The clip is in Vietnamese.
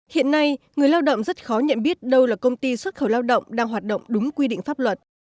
hiện nay người lao động rất khó nhận biết đâu là công ty xuất khẩu lao động đang hoạt động đúng quy định pháp luật